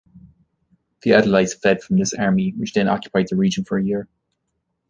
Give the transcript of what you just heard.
The Adalites fled from this army, which then occupied the region for a year.